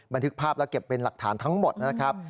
บันทึกภาพและเก็บเป็นหลักฐานทั้งหมดนะครับ